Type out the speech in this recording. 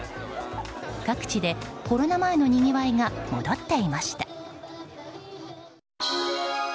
各地で、コロナ前のにぎわいが戻っていました。